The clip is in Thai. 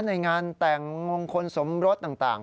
ในงานแต่งมงคลสมรสต่าง